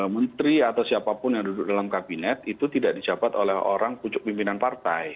menteri atau siapapun yang duduk dalam kabinet itu tidak dijabat oleh orang pucuk pimpinan partai